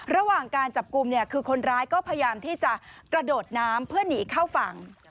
ระหว่างการจับกลุ่มเนี่ยคือคนร้ายก็พยายามที่จะกระโดดน้ำเพื่อหนีเข้าฝั่ง